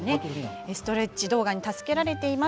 ストレッチ動画に助けられています。